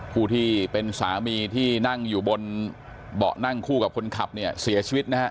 ผู้ที่เป็นสามีที่นั่งอยู่บนเบาะนั่งคู่กับคนขับเนี่ยเสียชีวิตนะฮะ